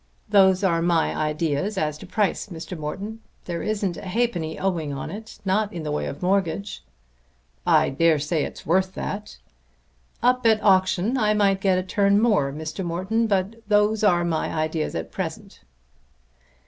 Those are my ideas as to price, Mr. Morton. There isn't a halfpenny owing on it not in the way of mortgage." "I dare say it's worth that." "Up at auction I might get a turn more, Mr. Morton; but those are my ideas at present."